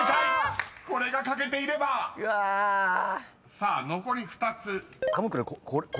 ［さあ残り２つ］